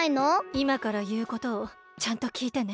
いまからいうことをちゃんときいてね。